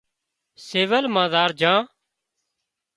سول مان زار جھان